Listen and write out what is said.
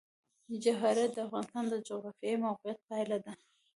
جواهرات د افغانستان د جغرافیایي موقیعت پایله ده.